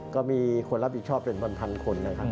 ก็มีคนรับผิดชอบเป็นพันคนนะครับ